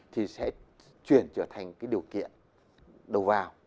thì sẽ chuyển trở thành cái điều kiện đầu vào